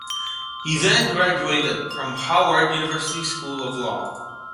He then graduated from Howard University School of Law.